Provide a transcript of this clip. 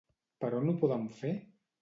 Per on ho poden fer?